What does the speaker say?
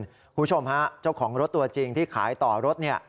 คุณผู้ชมฮะเจ้าของรถตัวจริงที่ขายต่อรถเนี่ย